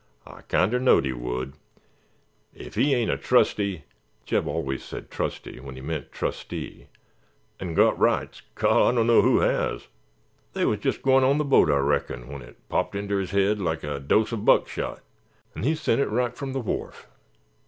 "I kinder knowed he would. If he ain't a trusty (Jeb always said trusty when he meant trustee) 'n' got rights, gol, I dunno who has. They wuz jest goin' on th'boat, I reckon, when it popped inter his head like a dose uv buckshot 'n' he sent it right from th'wharf.